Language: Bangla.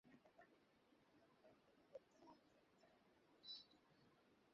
আমার পিতামাতা আপনার জন্য কুরবান।